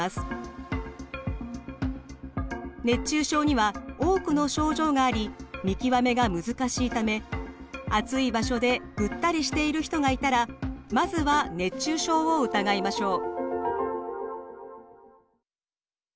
熱中症には多くの症状があり見極めが難しいため暑い場所でぐったりしている人がいたらまずは熱中症を疑いましょう。